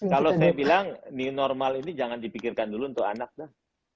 kalau saya bilang new normal ini jangan dipikirkan dulu untuk anak dah